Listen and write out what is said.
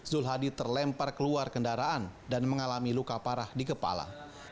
zul hadi terlempar keluar kendaraan dan mengalami luka parah di kepala